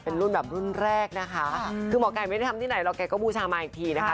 เป็นรุ่นแบบรุ่นแรกนะคะคือหมอไก่ไม่ได้ทำที่ไหนหรอกแกก็บูชามาอีกทีนะคะ